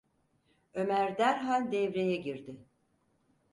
Ömer derhal devreye girdi: